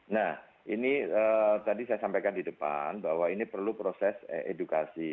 nah ini tadi saya sampaikan di depan bahwa ini perlu proses edukasi